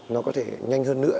nó có thể nhanh hơn nữa